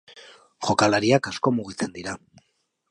Jokalariak asko mugitzen dira.